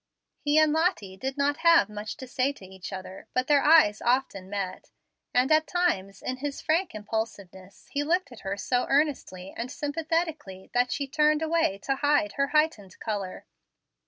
He and Lottie did not have much to say to each but their eyes often met, and at times, in his frank impulsiveness, he looked at her so earnestly and sympathetically that she turned away to hide her heightened color.